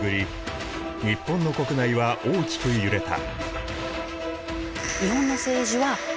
日本の国内は大きく揺れた。